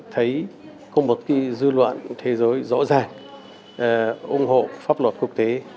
thấy có một dư luận thế giới rõ ràng ủng hộ pháp luật quốc tế